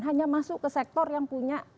hanya masuk ke sektor yang punya